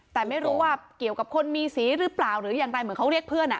แต่ไม่รู้ว่าเกี่ยวกับคนมีสีหรือเปล่าหรืออย่างไรเหมือนเขาเรียกเพื่อน